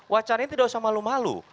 wacanya tidak usah malu malu